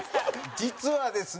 実はですね